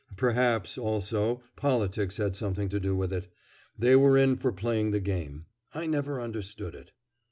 Perhaps, also, politics had something to do with it. They were in for playing the game. I never understood it.